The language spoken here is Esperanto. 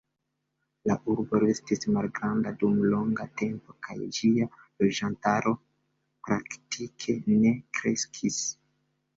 La urbo restis malgranda dum longa tempo kaj ĝia loĝantaro praktike ne kreskis.